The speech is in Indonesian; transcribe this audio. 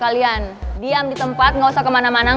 lu mau kemana